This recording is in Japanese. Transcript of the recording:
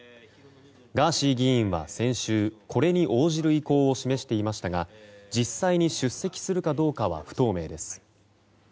ガーシー議員は先週これに応じる意向を示していましたが実際に出席するかどうかは不透明です。